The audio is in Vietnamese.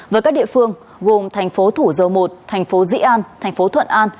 với các địa phương gồm thành phố thủ dầu một thành phố dĩ an thành phố thuận an